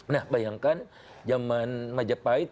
nah bayangkan jaman majapahit